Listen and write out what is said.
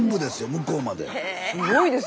向こうまで。